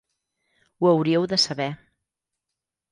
Ho hauríeu de saber.